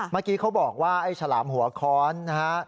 เมื่อกี้เขาบอกว่าไอ้ฉลามหัวค้อนนะฮะ